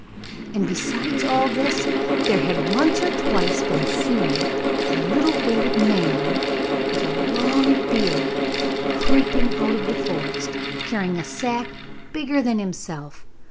And besides all this there had once or twice been seen a little old man with a long beard creeping out of the forest, carrying a sack bigger than himself.